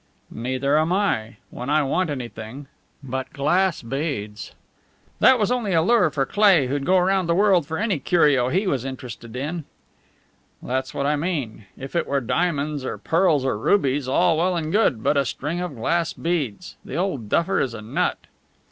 "Neither am I when I want anything. But glass beads!" "That was only a lure for Cleigh, who'd go round the world for any curio he was interested in." "That's what I mean. If it were diamonds or pearls or rubies, all well and good. But a string of glass beads! The old duffer is a nut!"